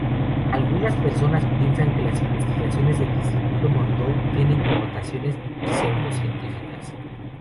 Algunas personas piensan que las investigaciones del Instituto Monroe tienen connotaciones pseudocientíficas.